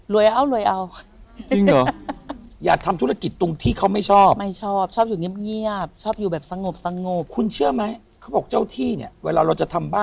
รวยอ้าวจริงเหรอฮ่า